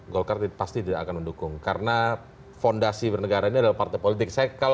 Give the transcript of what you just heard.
golkar pasti tidak akan mendukung karena fondasi bernegara ini adalah partai politik saya kalau